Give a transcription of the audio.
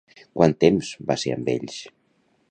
Quant temps va ser amb ells?